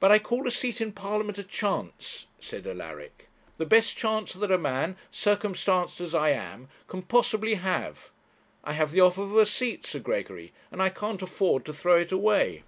'But I call a seat in Parliament a chance,' said Alaric; 'the best chance that a man, circumstanced as I am, can possibly have. I have the offer of a seat, Sir Gregory, and I can't afford to throw it away.'